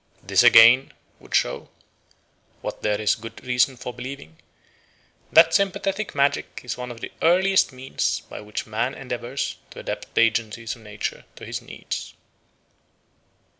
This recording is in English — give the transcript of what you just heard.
This, again, would show what there is good reason for believing that sympathetic magic is one of the earliest means by which man endeavours to adapt the agencies of nature to his needs.